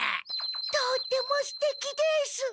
とってもすてきです！